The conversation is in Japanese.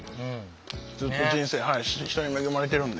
ずっと人生人に恵まれてるんで。